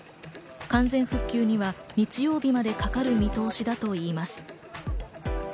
完全復旧には日曜日までかかる見通しだといいます。